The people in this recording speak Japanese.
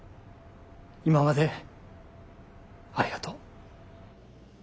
今までありがとう。